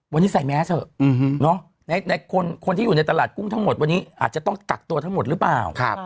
วันนี้ใส่แมสเถอะในคนที่อยู่ในตลาดกุ้งทั้งหมดวันนี้อาจจะต้องกักตัวทั้งหมดหรือเปล่า